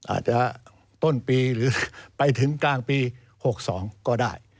อาจจะต้นปีหรือไปถึงกลางปี๖๒ก็ได้